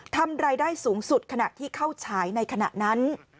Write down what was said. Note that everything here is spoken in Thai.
ทำรายได้สูงสุดขณะที่เข้าฉายในขณะนั้น